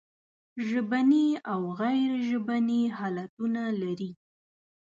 ژبني او غیر ژبني حالتونه لري.